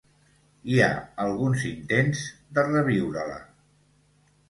Hi ha alguns intents de reviure-la.